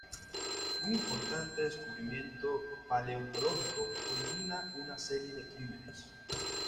Un importante descubrimiento paleontológico origina una serie de crímenes.